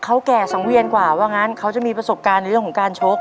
เขาแก่สังเวียนกว่าว่างั้นเขาจะมีประสบการณ์ในเรื่องของการชก